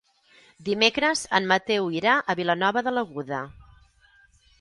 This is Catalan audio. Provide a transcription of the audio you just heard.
Dimecres en Mateu irà a Vilanova de l'Aguda.